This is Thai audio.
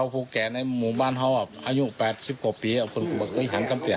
ผู้แก่ในหมู่บ้านเขาอายุ๘๐กว่าปีไม่เคยหันกับเตี๋ยว